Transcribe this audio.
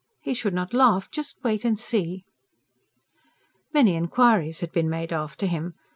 He should not laugh; just wait and see. Many inquiries had been made after him.